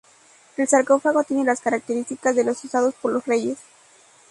El sarcófago tiene las características de los usados por los reyes.